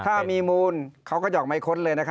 ถ้ามีมูลเขาก็จะออกหมายค้นเลยนะครับ